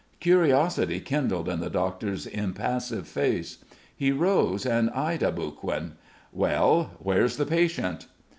Curiosity kindled in the doctor's impassive face. He rose and eyed Aboguin. "Well, where's the patient?"